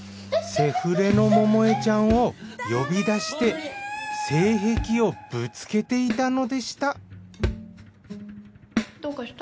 セフレの桃江ちゃんを呼び出して性癖をぶつけていたのでしたどうかした？